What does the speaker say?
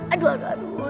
aduh aduh aduh